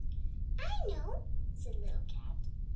"I know," said Little Cat.